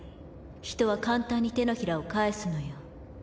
人は簡単に手のひらを返すのよ。